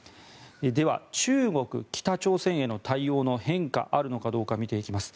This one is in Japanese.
では中国、北朝鮮への対応の変化あるのかどうか、見ていきます。